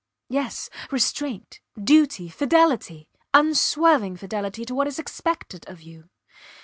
Yes! Restraint, duty, fidelity unswerving fidelity to what is expected of you.